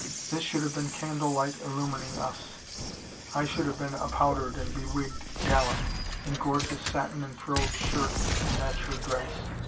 This should have been candle light illumining us; I should have been a powdered and bewigged gallant, in gorgeous satin and frilled shirt to match her dress.